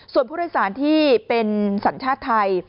ส่วนผู้โดยสารที่เป็นสัญชาติไทย